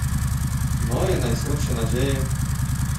"moje najsłodsze nadzieje!"